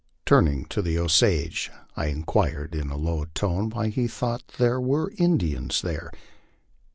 Turning to the Osage, I inquired in a low tone why he thought there were Indians there.